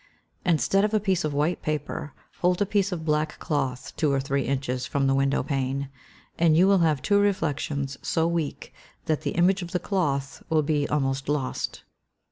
Instead of a piece of white paper, hold a piece of black cloth two or three inches from the window pane, and you will have two reflections so weak that the image of the cloth will be almost lost.